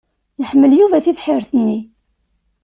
Yehmel Yuba tibḥirt-nni.